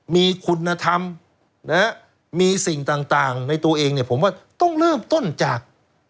มีคุณธรรมมีสิ่งต่างในตัวเองเนี่ยผมว่าต้องเริ่มต้นจาก